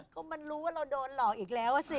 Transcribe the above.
ก็มันรู้ว่าเราโดนหลอกอีกแล้วสิ